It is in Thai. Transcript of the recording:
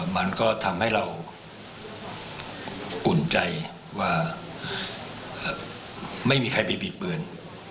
มันก็ทำให้เราอุ่นใจว่าไม่มีใครไปบิดเบือน